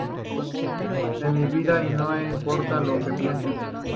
Es mi vida y no me importa lo que piensen.